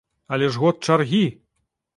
Але ж год чаргі!